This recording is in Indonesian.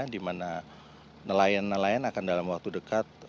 dimana nelayan nelayan akan dalam waktu dekat